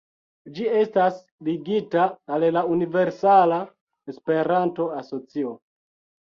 Ĝi estas ligita al la Universala Esperanto-Asocio.